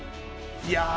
いや。